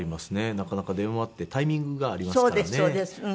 なかなか電話ってタイミングがありますからね。